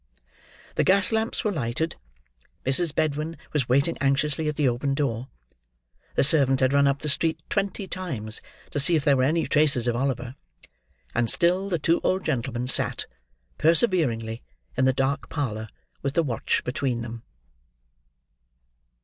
The gas lamps were lighted; Mrs. Bedwin was waiting anxiously at the open door; the servant had run up the street twenty times to see if there were any traces of Oliver; and still the two old gentlemen sat, perseveringly, in the dark parlour, with the watch between them.